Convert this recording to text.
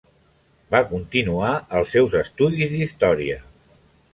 Va continuar els seus estudis d'història.